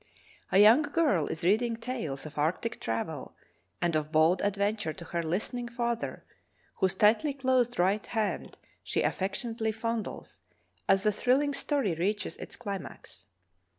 A young girl is reading tales of arctic travel and of bold adventure to her listening father, whose tightly closed right hand she affection The Northwest Passage 59 ately fondles as the thrilling story reaches its cli max.